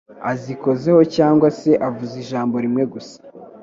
azikozeho cyangwa se avuze ijambo rimwe gusa,